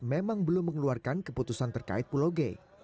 memang belum mengeluarkan keputusan terkait pulau g